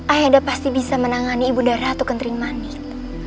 ayahanda pasti bisa menangani ibunda ratu kentering manik